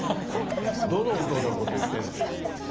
どのウドのこと言ってるんですか。